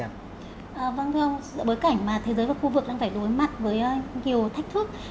vâng thưa ông giữa bối cảnh mà thế giới và khu vực đang phải đối mặt với nhiều thách thức